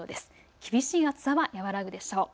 厳しい暑さは和らぐでしょう。